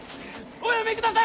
おやめください